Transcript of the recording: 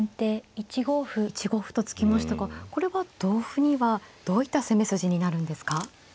１五歩と突きましたがこれは同歩にはどういった攻め筋になるんですか。